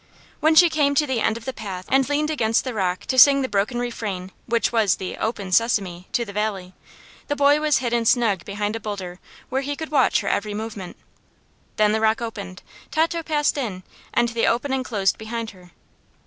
When she came to the end of the path and leaned against the rock to sing the broken refrain which was the "open sesame" to the valley, the boy was hidden snug behind a boulder where he could watch her every movement. Then the rock opened; Tato passed in, and the opening closed behind her.